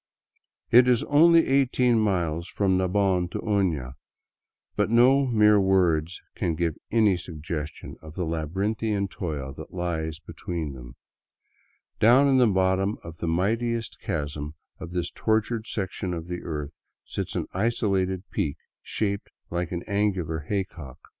It is only eighteen miles from Nabon to Oiia, but no mere words can give any suggestion of the labyrinthian toil that lies between them. Down in the bottom of the mightiest chasm of this tortured section of the earth sits an isolated peak shaped like art' angular hay cock.